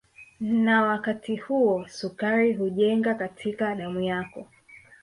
Na wakati huo sukari hujenga katika damu yako